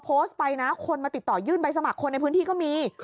โพสต์ไปนะคนมาติดต่อยื่นใบสมัครคนในพื้นที่ก็มี